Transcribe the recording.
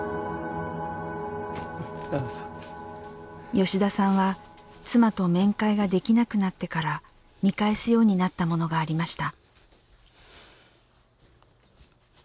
吉田さんは妻と面会ができなくなってから見返すようになったものがありました。